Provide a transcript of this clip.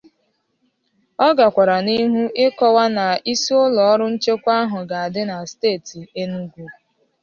Ọ gakwara n'ihu kọwaa na isi ụlọọrụ nchekwa ahụ ga-adị na steeti Enugu